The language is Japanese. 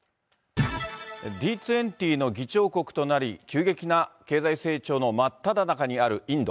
Ｇ２０の議長国となり、急激な経済成長の真っただ中にあるインド。